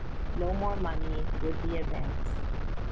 No more money would be advanced.